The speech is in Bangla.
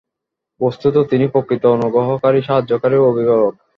বস্তুত তিনিই প্রকৃত অনুগ্রহকারী, সাহায্যকারী ও অভিভাবক।